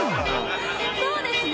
そうですね。